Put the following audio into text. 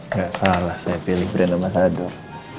gak salah saya pilih brand amasador